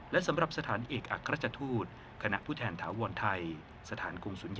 และสำหรับสถานเอกอักราชทูตกผู้แทนถาวรไทยสถานกรุงศูนย์ใหญ่